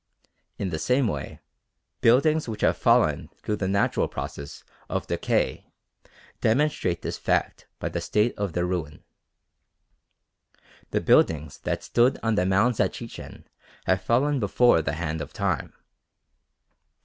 In the same way, buildings which have fallen through a natural process of decay demonstrate this fact by the state of their ruin. The buildings that stood on the mounds at Chichen have fallen before the hand of Time.